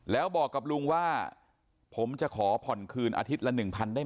แล้วบอกกับลุงว่าผมจะขอผ่อนคืนอาทิตย์ละ๑๐๐ได้ไหม